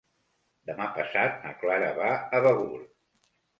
Demà passat na Clara va a Begur.